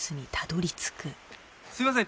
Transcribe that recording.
すいません